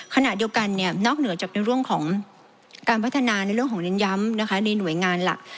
ขณะเดียวกันนอกเหนือจากในเรื่องของการพัฒนาในเรื่องของเน้นย้ำนะคะในหน่วยงานหลัก